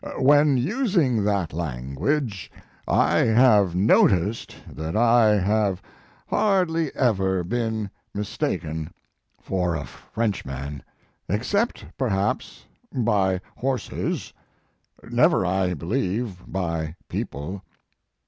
When using that language, I have noticed that I have hardly ever been mistaken for a French man, except, perhaps, by horses; never, I believe, by people.